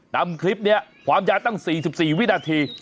นำคลิปนี้ความยาวตั้ง๔๔วินาที